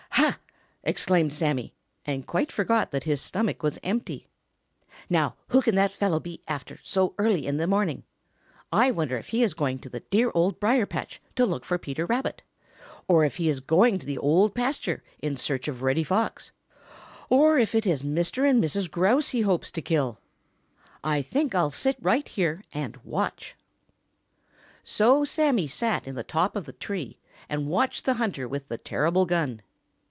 "Ha!" exclaimed Sammy, and quite forgot that his stomach was empty. "Now who can that fellow be after so early in the morning? I wonder if he is going to the dear Old Briar patch to look for Peter Rabbit, or if he is going to the Old Pasture in search of Reddy Fox, or if it is Mr. and Mrs. Grouse he hopes to kill. I think I'll sit right here and watch." So Sammy sat in the top of the tree and watched the hunter with the terrible gun.